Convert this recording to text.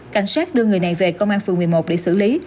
cảnh sát đưa người này về công an phường một mươi một để xử lý